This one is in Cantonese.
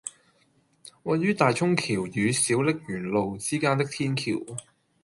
位於大涌橋與小瀝源路之間的天橋